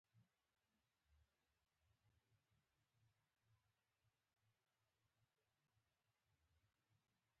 هو، دا د هماغې زمانې دی.